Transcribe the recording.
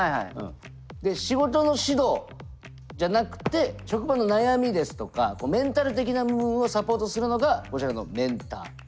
で仕事の指導じゃなくて職場の悩みですとかメンタル的な部分をサポートするのがこちらのメンター。